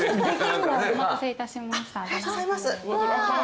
お待たせいたしました。